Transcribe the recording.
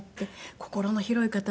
「心の広い方で。